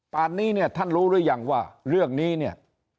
นี้เนี่ยท่านรู้หรือยังว่าเรื่องนี้เนี่ย